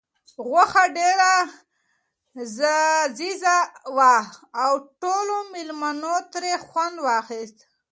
غوښه ډېره لذیذه وه او ټولو مېلمنو ترې خوند واخیست.